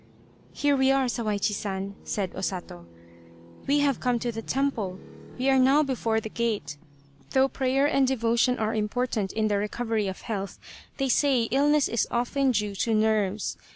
" Here we are, Sawaichi San," said O Sato, " we 1 66 Tsubosaka have come to the temple, we are now before the gate ... though prayer and devotion are important in the recovery of health, they say illness is often due to nerves.